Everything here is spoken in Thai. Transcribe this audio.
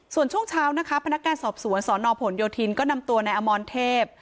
ส่วนช่วงเช้านะคะพนักงานสอบสวนสนผลโยธินก็นำตัวนายอมรเทพ